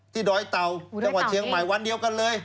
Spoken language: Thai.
ดอยเต่าจังหวัดเชียงใหม่วันเดียวกันเลย